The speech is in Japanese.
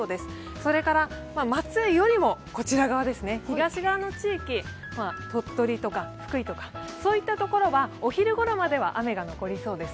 それから松江よりも東側の地域、鳥取とか福井とかそういった所はお昼ごろまでは雨が残りそうです。